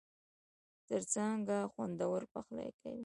زرڅانگه! خوندور پخلی کوي.